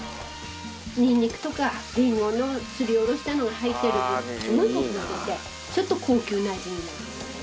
ニンニクとかリンゴのすり下ろしたのが入ってる分すごいコクが出てちょっと高級な味になる。